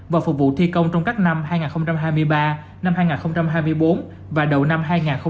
và phục vụ thi công trong các năm hai nghìn hai mươi ba năm hai nghìn hai mươi bốn và đầu năm hai nghìn hai mươi bốn